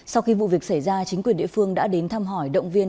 sau khi vụ việc xảy ra chính quyền địa phương đã đến thăm hỏi động viên